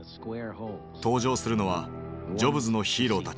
登場するのはジョブズのヒーローたち。